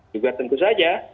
juga tentu saja